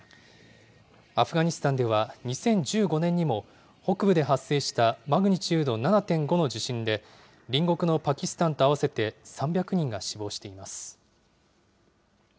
アフガニスタンでは、２０１５年にも北部で発生したマグニチュード７．５の地震で、隣国のパキスタンと合わせて３００人が死亡しています。